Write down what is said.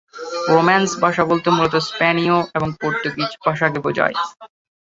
Romance ভাষা বলতে মূলত স্পেনীয় এবং পর্তুগিজ ভাষাকে বোঝায়।